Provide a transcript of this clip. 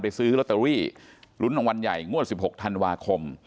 ซื้อลอตเตอรี่ลุ้นรางวัลใหญ่งวด๑๖ธันวาคม